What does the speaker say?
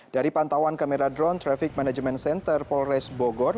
dari pantauan kamera drone traffic management center polres bogor